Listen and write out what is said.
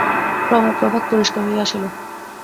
ক্রমে প্রভাত পরিষ্কার হইয়া আসিল।